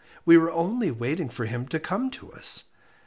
We were only waiting for him to come to us.